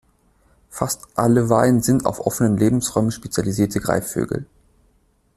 Fast alle Weihen sind auf offene Lebensräume spezialisierte Greifvögel.